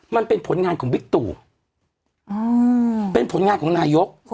มันเป็นผลงานของโหเป็นผลงานของนายก